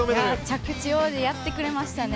着地王子やってくれましたね。